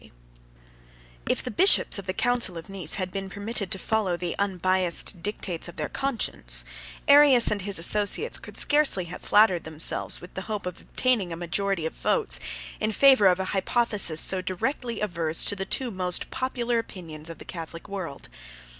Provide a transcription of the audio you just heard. ] If the bishops of the council of Nice 55 had been permitted to follow the unbiased dictates of their conscience, Arius and his associates could scarcely have flattered themselves with the hopes of obtaining a majority of votes, in favor of an hypothesis so directly averse to the two most popular opinions of the Catholic world.